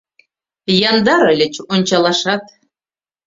Яндар ыльыч ончалашат.